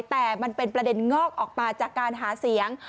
แต่มันเป็นประเด็นงอกออกมาจากการหาเสียง